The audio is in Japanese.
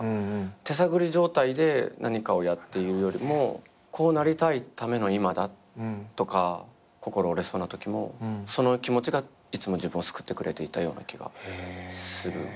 手探り状態で何かをやっているよりもこうなりたいための今だとか心折れそうなときもその気持ちがいつも自分を救ってくれていたような気がする。